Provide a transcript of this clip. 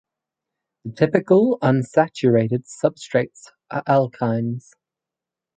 The typical unsaturated substrates are alkynes.